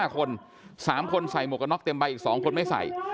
๕คน๓คนใส่หมวกกันน็อกเต็มใบอีก๒คนไม่ใส่